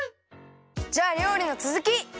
じゃありょうりのつづき！